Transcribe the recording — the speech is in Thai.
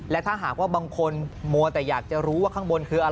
และถ้าหากว่าบางคนมัวแต่อยากจะรู้ว่าข้างบนคืออะไร